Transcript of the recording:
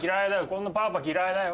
こんなパパ嫌いだよ。